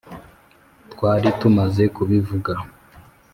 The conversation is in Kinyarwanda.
twari tumaze kubivuga.